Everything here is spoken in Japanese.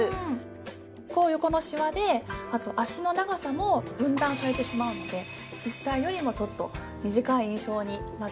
こう横のシワで脚の長さも分断されてしまうので実際よりもちょっと短い印象になってしまう。